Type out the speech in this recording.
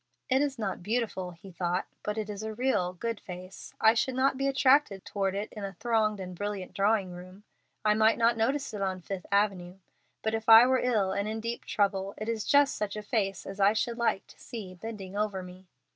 "It is not beautiful," he thought, "but it is a real, good face. I should not be attracted toward it in a thronged and brilliant drawing room. I might not notice it on Fifth Avenue, but if I were ill and in deep trouble, it is just such a face as I should like to see bending over me.